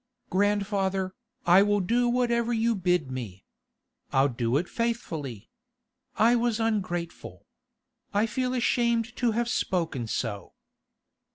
'Grandfather, I will do whatever you bid me. I'll do it faithfully. I was ungrateful. I feel ashamed to have spoken so.